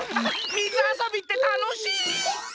みずあそびってたのしい！